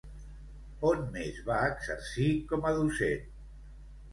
On més va exercir com a docent?